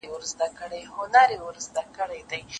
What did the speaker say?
خپل وېښته وینم پنبه غوندي ځلیږي